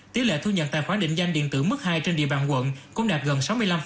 tỷ lệ thu nhận tài khoản định danh điện tử mức hai trên địa bàn quận cũng đạt gần sáu mươi năm